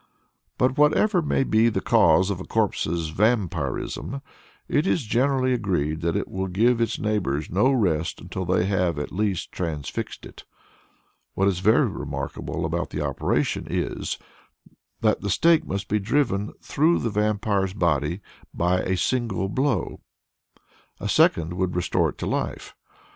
But whatever may be the cause of a corpse's "vampirism," it is generally agreed that it will give its neighbors no rest until they have at least transfixed it. What is very remarkable about the operation is, that the stake must be driven through the vampire's body by a single blow. A second would restore it to life.